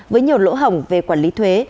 với nhiều lỗ hỏng về quản lý thuế